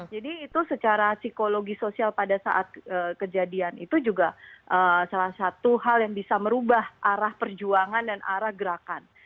jadi cara psikologi sosial pada saat kejadian itu juga salah satu hal yang bisa merubah arah perjuangan dan arah gerakan